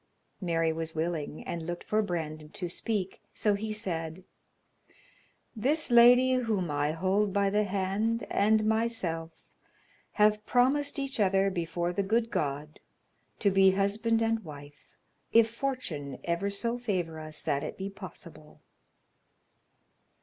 Mary was willing, and looked for Brandon to speak, so he said: "This lady whom I hold by the hand and myself have promised each other before the good God to be husband and wife, if fortune ever so favor us that it be possible."